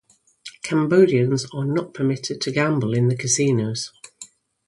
Cambodians are not permitted to gamble in the casinos.